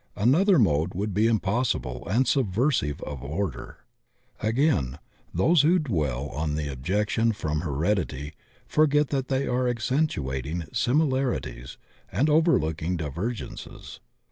Another mode would be impossible and subversive of order. Again, those who dwell on the objection from hered ity forget tjiat they are accentuating similarities and overlooking divergencies.